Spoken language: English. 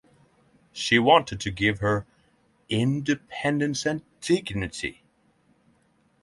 She wanted to give her "independence and dignity".